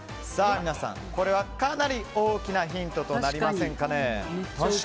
皆さん、これはかなり大きなヒントとなりませんかね。